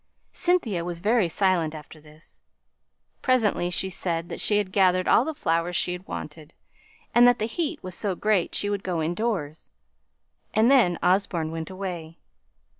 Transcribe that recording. Cynthia was very silent after this. Presently, she said that she had gathered all the flowers she wanted, and that the heat was so great she would go indoors. And then Osborne went away.